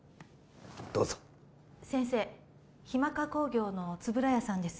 どうぞ先生ヒマカ工業の円谷さんです